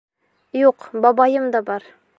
— Юҡ, бабайым да бар.